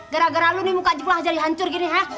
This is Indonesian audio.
gara gara lu nih muka aja lu aja dihancur gini ha